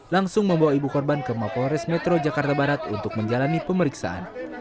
langsung membawa ibu korban ke mapolres metro jakarta barat untuk menjalani pemeriksaan